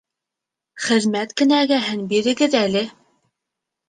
Хеҙмәт кенәгәһен бирегеҙ әле